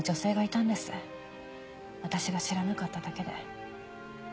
私が知らなかっただけで。